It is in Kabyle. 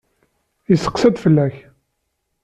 Yesseqsa-d fell-ak.